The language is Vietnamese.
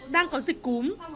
đang có dịch cúm